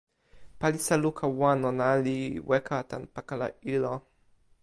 palisa luka wan ona li weka tan pakala ilo.